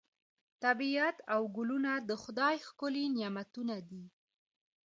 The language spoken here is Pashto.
طبیعت او ګلونه د خدای ښکلي نعمتونه دي.